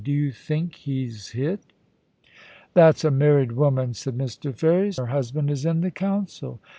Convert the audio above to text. Do you think he*s hit ?That's a married woman/ said Mr. Ferris ;' her husband is in the Council.